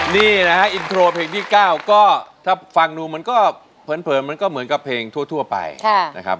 นี่นะฮะอินโทรเพลงที่๙ก็ถ้าฟังดูมันก็เผินมันก็เหมือนกับเพลงทั่วไปนะครับ